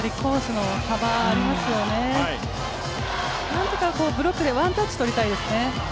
何とかブロックでワンタッチをとりたいですね。